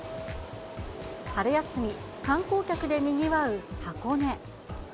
春休み、観光客でにぎわう箱根。